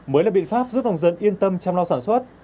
mới là biện pháp giúp nông dân yên tâm chăm lo sản xuất